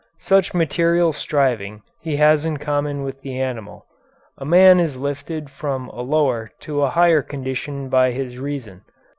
Such material striving he has in common with the animal. A man is lifted from a lower to a higher condition by his reason.